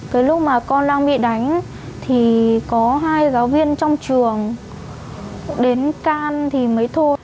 cái lúc mà con đang bị đánh thì có hai giáo viên trong trường đến can thì mới thôi